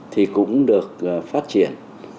thì cũng được phát triển